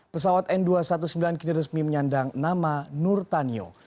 pesawat n dua ratus sembilan belas kini resmi menyandang nama nurtanio